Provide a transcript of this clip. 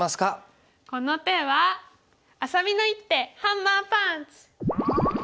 この手はあさみの一手ハンマーパンチ！